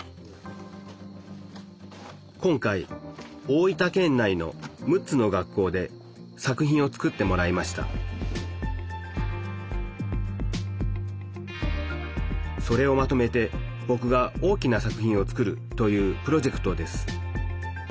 今回大分県内の６つの学校で作品を作ってもらいましたそれをまとめてぼくが大きな作品を作るというプロジェクトです